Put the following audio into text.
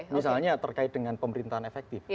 misalnya terkait dengan pemerintahan efektif